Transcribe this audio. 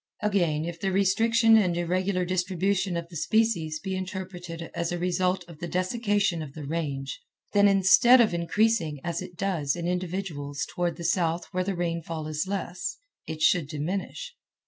Again, if the restriction and irregular distribution of the species be interpreted as a result of the desiccation of the Range, then instead of increasing as it does in individuals toward the south where the rainfall is less, it should diminish.